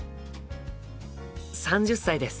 ３０歳です。